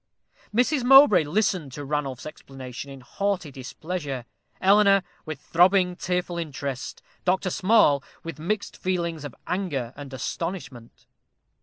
Mrs. Mowbray listened to Ranulph's explanation in haughty displeasure; Eleanor with throbbing, tearful interest; Dr. Small, with mixed feelings of anger and astonishment.